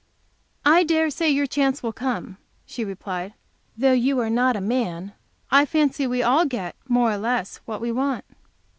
"I dare say your chance will come," she replied, "though you are not a man. I fancy we all get, more or less, what we want."